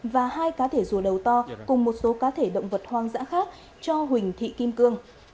và hai cá thể rùa đầu to cùng một số cá thể động vật hoang dã khác cho huỳnh thị kim cương